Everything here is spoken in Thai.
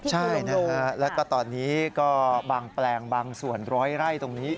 ใช่นะฮะแล้วก็ตอนนี้ก็บางแปลงบางส่วนร้อยไร่ตรงนี้